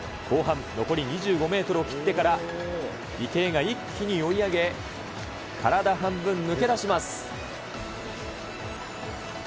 後半、残り２５メートルを切ってから、池江が一気に追い上げ、体半分抜け出します。